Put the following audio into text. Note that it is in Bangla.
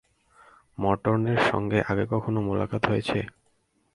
মর্টনের সঙ্গে আগে কখনো মোলাকাত হয়েছে?